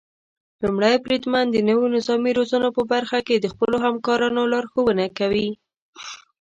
لومړی بریدمن د نويو نظامي روزنو په برخه کې د خپلو همکارانو لارښونه کوي.